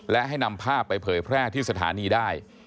และให้นำภาพไปเผยแพร่ที่สถานีได้